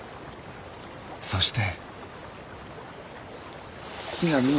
そして。